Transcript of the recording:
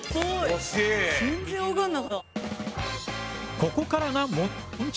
ここからが問題。